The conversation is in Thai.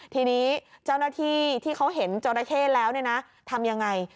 ทีนี้เจ้าหน้าที่ที่เขาเห็นจราเข้แล้วเนี่ยนะทำยังไง